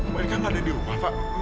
mereka nggak ada di rumah pak